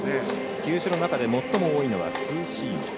球種の中で最も多いのはツーシーム。